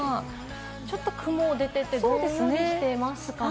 ちょっと雲が出て、どんよりしてますかね。